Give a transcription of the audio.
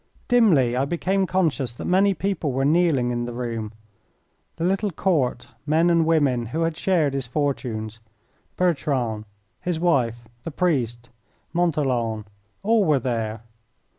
Dimly I became conscious that many people were kneeling in the room; the little Court, men and women, who had shared his fortunes, Bertrand, his wife, the priest, Montholon all were there.